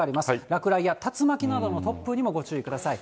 落雷や竜巻などの突風にもご注意ください。